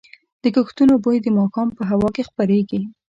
د کښتونو بوی د ماښام په هوا کې خپرېږي.